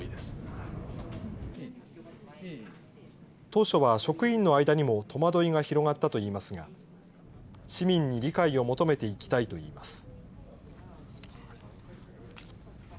当初は職員の間にも戸惑いが広がったといいますが、市民に理解を求めていきたいといいます。